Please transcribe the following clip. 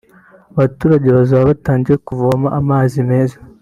abaturage bazaba batangiye kuvoma amazi meza